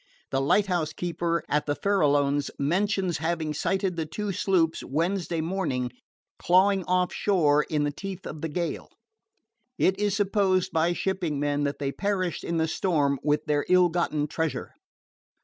The lighthouse keeper at the Farralones mentions having sighted the two sloops Wednesday morning, clawing offshore in the teeth of the gale. It is supposed by shipping men that they perished in the storm with, their ill gotten treasure.